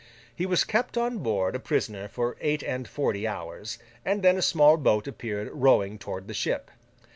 He was kept on board, a prisoner, for eight and forty hours, and then a small boat appeared rowing toward the ship.